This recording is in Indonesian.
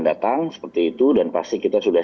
datang seperti itu dan pasti kita sudah